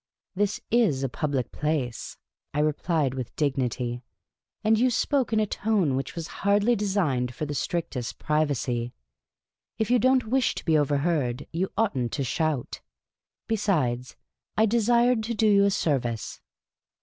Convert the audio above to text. " This is a public place," I replied, with dignity ;" and you spoke in a tone which was hardly designed for the strictest privacy. If you don't wish to be overheard, you ought n't to shout. Besides, I desired to do you a service.